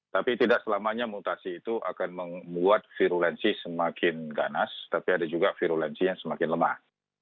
tapi tidak selamanya mutasi itu akan membuat virulensi semakin ganas tapi ada juga virulensi yang semakin lemah